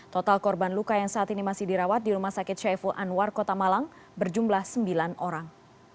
total korban luka yang saat ini masih dirawat di rumah sakit syaiful anwar kota malang berjumlah sembilan orang